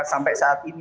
sampai saat ini